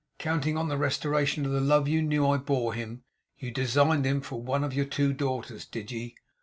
Counting on the restoration of the love you knew I bore him, you designed him for one of your two daughters did ye?